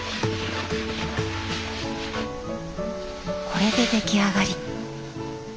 これで出来上がり。